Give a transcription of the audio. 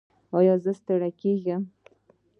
ایا ژر ستړي کیږئ؟